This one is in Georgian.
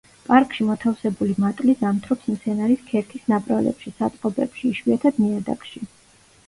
პარკში მოთავსებული მატლი ზამთრობს მცენარის ქერქის ნაპრალებში, საწყობებში, იშვიათად ნიადაგში.